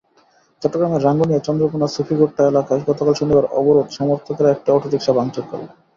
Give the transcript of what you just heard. চট্টগ্রামের রাঙ্গুনিয়ার চন্দ্রঘোনা সুফিগোট্টা এলাকায় গতকাল শনিবার অবরোধ-সমর্থকেরা একটি অটোরিকশা ভাঙচুর করেছেন।